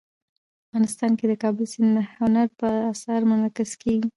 افغانستان کې د کابل سیند د هنر په اثار کې منعکس کېږي.